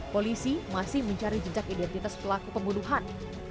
polisi masih mencari jejak identitas pelaku pembunuhan